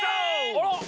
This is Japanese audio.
あら。